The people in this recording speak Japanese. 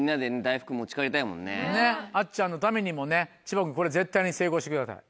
あっちゃんのためにもね千葉君これ絶対に成功してください。